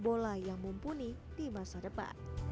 uji tanding sama ssb dari